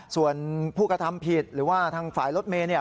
ส่วนผู้กระทำผิดหรือว่าทางฝ่ายรถเมย์